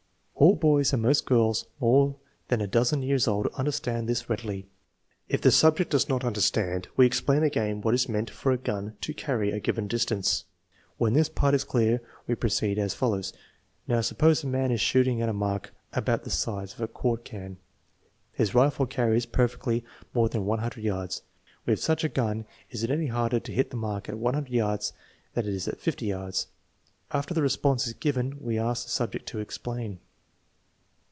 All boys and most girls more than a dozen years old understand this readily. If the subject does not understand, we explain again what it means for a gun " to carry " a given distance* When this part is clear, we pro ceed as follows: "Now, suppose a man is shooting at a mark about the size of a quart can. His rifle carries per fectly more than 100 yards. With such a gun is it any harder to hit the mark at 100 yards than it is at 50 yards? " After the response is given, we ask the subject to explain.